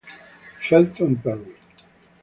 Felton Perry